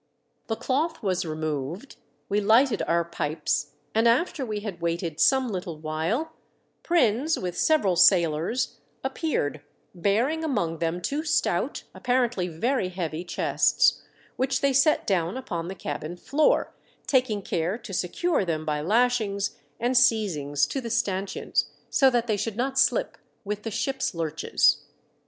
The cloth was re moved, we lighted our pipes, and after we had waited some little while, Prins, with several sailors, appeared, bearing among them two stout, apparently very heavy, chests, which they set down upon the cabin floor, taking care to secure them by lashings and seizings to the stancheons, so that they should not slip with the ship's lurches.